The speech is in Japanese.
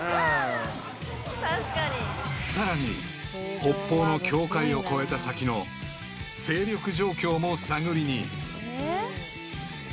［さらに北方の境界を越えた先の勢力状況も探りに］